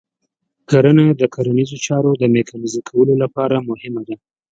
کرنه د کرنیزو چارو د میکانیزه کولو لپاره مهمه ده.